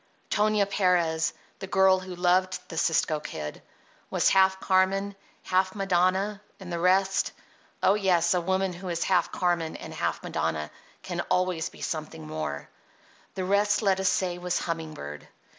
Tonia Perez, the girl who loved the Cisco Kid, was half Carmen, half Madonna, and the rest—oh, yes, a woman who is half Carmen and half Madonna can always be something more—the rest, let us say, was humming bird.